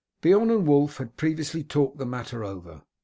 Beorn and Wulf had previously talked the matter over.